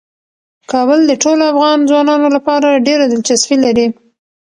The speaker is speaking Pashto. کابل د ټولو افغان ځوانانو لپاره ډیره دلچسپي لري.